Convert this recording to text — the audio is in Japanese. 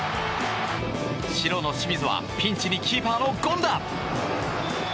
白の清水はピンチにキーパーの権田！